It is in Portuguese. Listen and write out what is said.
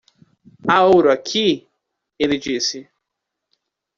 "Há ouro aqui?" ele disse.